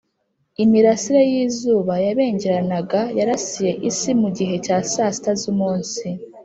imirasire y’izuba yabengeranaga yarasiye isi mu gihe cya saa sita z’umunsi\